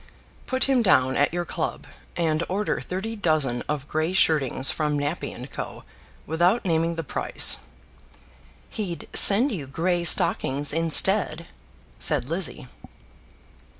"Put him down at your club, and order thirty dozen of grey shirtings from Nappie and Co., without naming the price." "He'd send you grey stockings instead," said Lizzie.